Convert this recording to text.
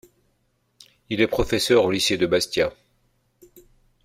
Il est professeur au lycée de Bastia.